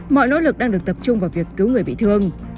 mọi nỗ lực đang được tập trung vào việc cứu người bị thương